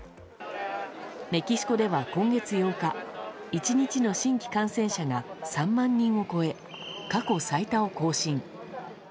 メキシコでは今月８日１日の新規感染者が３万人を超え、過去最多を更新。